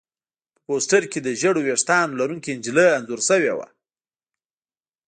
په پوسټر کې د ژېړو ویښتانو لرونکې نجلۍ انځور شوی و